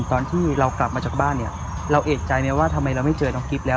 ตอนที่เรากลับมาจากบ้านเนี่ยเราเอกใจไหมว่าทำไมเราไม่เจอน้องกิ๊บแล้ว